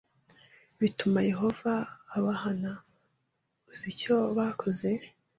bituma Yehova abahana Uzi icyo bakoze?